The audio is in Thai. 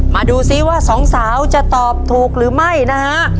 มาดูซิว่าสองสาวจะตอบถูกหรือไม่นะฮะ